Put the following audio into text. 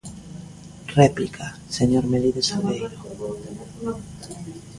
Réplica, señor Melide Salgueiro.